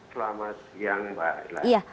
selamat siang pak